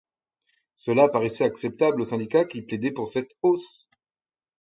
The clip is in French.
Cela paraissait acceptable aux syndicats qui plaidaient pour cette hausse.